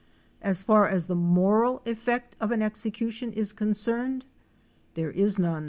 As far as the moral effect of an execution is con cerned, there is none.